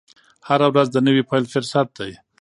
هره ورځ د نوي پیل فرصت دی.